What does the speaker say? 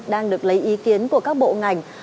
đang được lấy ý kiến của các bộ ngành